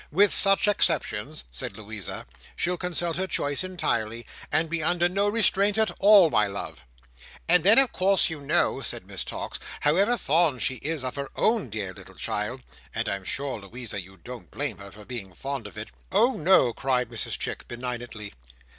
"With such exceptions," said Louisa, "she'll consult her choice entirely, and be under no restraint at all, my love." "And then, of course, you know," said Miss Tox, "however fond she is of her own dear little child—and I'm sure, Louisa, you don't blame her for being fond of it?" "Oh no!" cried Mrs Chick, benignantly.